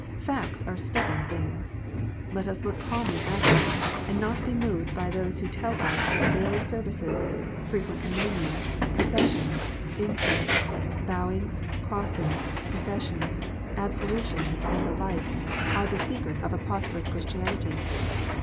Facts are stubborn things. Let us look calmly at them, and be not moved by those who tell us that daily services, frequent communions, processions, incense, bow ings, crossings, confessions, absolutions, and the like, are the DIVERS AND STRANGE DOCTRINES. 361 secret of a prosperous Christianity.